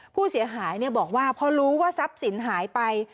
ผู้เสียหายบอกว่าพอรู้ว่าทรัพย์สินหายไป